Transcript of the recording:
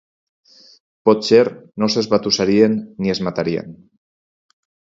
Potser no s'esbatussarien ni es matarien.